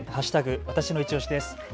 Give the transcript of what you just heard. わたしのいちオシです。